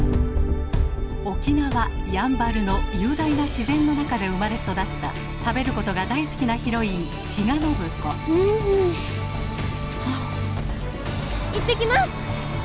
沖縄・やんばるの雄大な自然の中で生まれ育った食べることが大好きなヒロイン比嘉暢子いってきます。